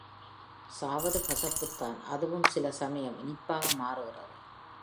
சாவது கசப்புதான் அதுவும் சில சமயம் இனிப்பாக மாறுகிறது.